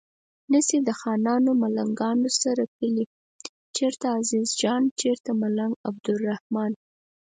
نه شي د خانانو ملنګانو سره کلي چرته عزیز خان چرته ملنګ عبدالرحمان